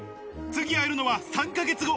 次、会えるのは３ヶ月後。